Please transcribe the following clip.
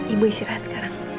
ibu istirahat sekarang